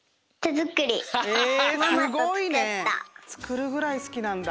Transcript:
つくるぐらいすきなんだ。